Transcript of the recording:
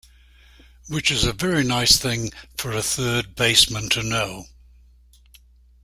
Which is a very nice thing for a third baseman to know.